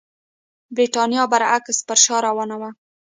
برېټانیا برعکس پر شا روانه وه.